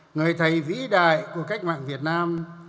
người thầy vĩ đại của cách mạng việt nam